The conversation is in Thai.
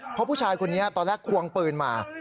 เพราะผู้ชายคนนี้ตอนแรกควงปืนมา